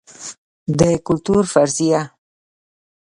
د کلتور فرضیه